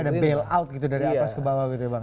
jadi ada bail out dari atas ke bawah gitu ya bang